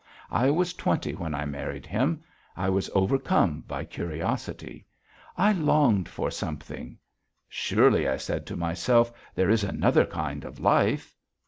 I was twenty when I married him. I was overcome by curiosity. I longed for something. 'Surely,' I said to myself, 'there is another kind of life.'